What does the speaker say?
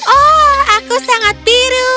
oh aku sangat biru